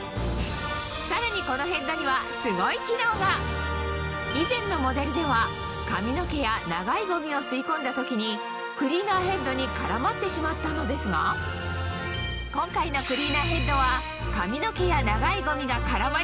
このヘッドには以前のモデルでは髪の毛や長いゴミを吸い込んだ時にクリーナーヘッドに絡まってしまったのですがその秘密は？